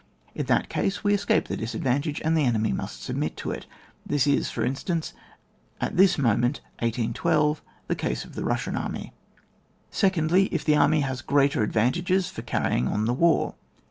In that case we escape the disadvantage, and the enemy must submit to it. This is, for instance, at this moment (1812) the case of the Hussian army. Secondly. — ^If the enemy has greater advantages for carrying on the war.